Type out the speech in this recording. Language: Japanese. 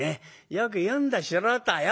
よく言うんだ素人はよ。